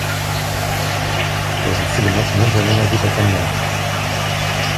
So sind viele Mappen hintereinander gut erkennbar.